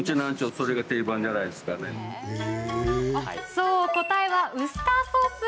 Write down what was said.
そう、答えはウスターソース。